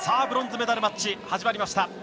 ブロンズメダルマッチ始まりました。